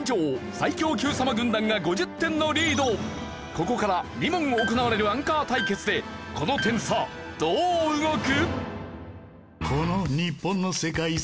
ここから２問行われるアンカー対決でこの点差どう動く？